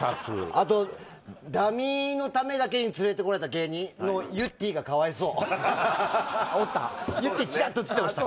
あとダミーのためだけに連れてこられた芸人？のゆってぃがかわいそうおった？